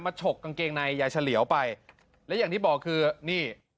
มาฉกกางเกงนายยายฉะเหลียวไปแล้วอย่างที่บอกคือนี่